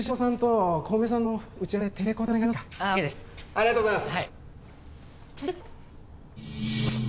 ありがとうございます。